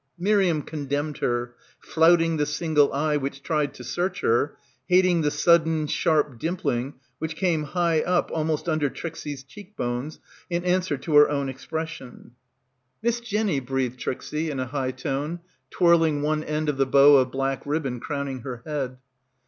Miriam condemned her, flouting the single eye which tried to search her, hating the sudden, sharp dimpling which came high up almost under Trixie's cheek bones in answer to her own ex pression. 84 BACKWATER "Miss Jenny," breathed Trixie in a high tone, twirling one end of the bow of black ribbon crowning her head.